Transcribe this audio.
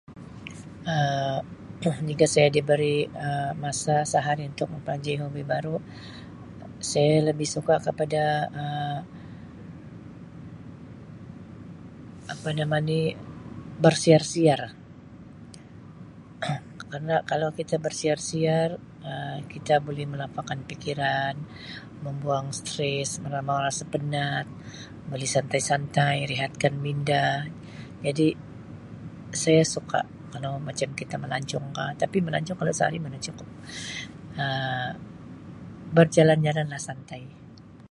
Um Jika saya diberi Um masa sehari untuk [unintelligible] hobi baru, saya lebih suka kepada Um apa nama ni bersiar-siar. Kerna kalau kita bersiar-siar Um kita boleh melapangkan pikiran, membuang stress, [unintelligible] rasa penat, boleh santai-santai, rehatkan minda jadi saya suka kalau macam kita melancong ka tapi melancong kalau sehari mana cukup. Um Berjalan-jalan lah santai.